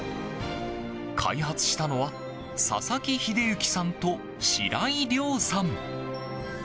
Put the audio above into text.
開発したのは佐々木英之さんと白井良さん。